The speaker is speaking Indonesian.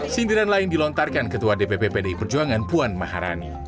sindiran lain dilontarkan ketua dpp pdi perjuangan puan maharani